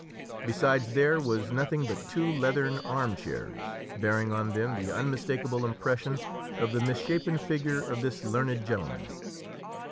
Besides there was nothing but two leathern arm chairs, bearing on them the unmistakable impression of the misshapen figure of this learned gentleman.